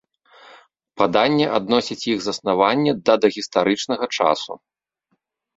Паданне адносіць іх заснаванне да дагістарычнага часу.